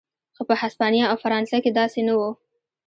خو په هسپانیا او فرانسه کې داسې نه و.